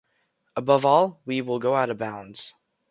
Above all, we will go out of bounds.